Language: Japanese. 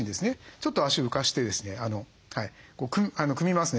ちょっと足を浮かしてですね組みますね。